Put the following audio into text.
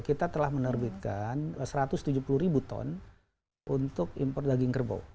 kita telah menerbitkan satu ratus tujuh puluh ribu ton untuk impor daging kerbau